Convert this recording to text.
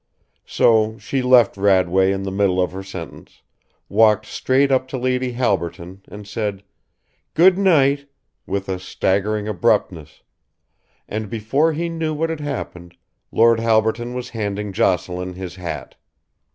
So she left Radway in the middle of her sentence, walked straight up to Lady Halberton and said, "Good night," with a staggering abruptness, and before he knew what had happened Lord Halberton was handing Jocelyn his hat.